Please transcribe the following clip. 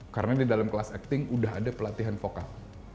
karena di dalam kelas acting udah ada pelatihan vokal